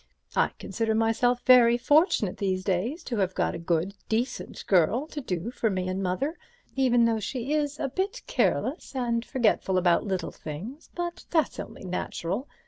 I consider myself very fortunate these days to have got a good, decent girl to do for me and Mother, even though she is a bit careless and forgetful about little things, but that's only natural.